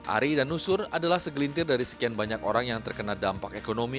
ari dan nusur adalah segelintir dari sekian banyak orang yang terkena dampak ekonomi